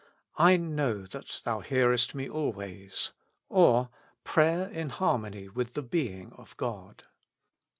I know that Thou hearest me always ;*' or Prayer in harmony with the being of God.